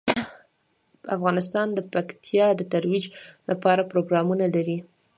افغانستان د پکتیا د ترویج لپاره پروګرامونه لري.